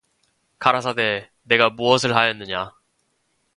가라사대 네가 무엇을 하였느냐